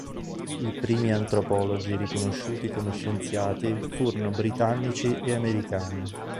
I primi antropologi riconosciuti come scienziati furono britannici e americani.